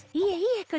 いえいえ